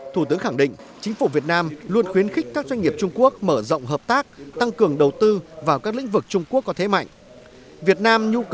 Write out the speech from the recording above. thủ tướng khẳng định chính phủ việt nam luôn khuyến khích các doanh nghiệp trung quốc mở rộng hợp tác tăng cường đầu tư vào các lĩnh vực trung quốc có thế mạnh